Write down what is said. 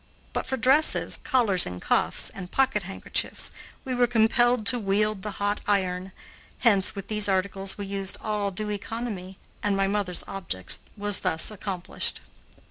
But for dresses, collars and cuffs, and pocket handkerchiefs, we were compelled to wield the hot iron, hence with these articles we used all due economy, and my mother's object was thus accomplished.